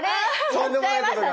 とんでもないことに。